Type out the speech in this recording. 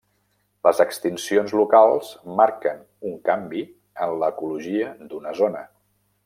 Les extincions locals marquen un canvi en l'ecologia d'una zona.